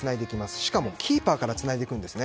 しかも、キーパーからつないでくるんですね。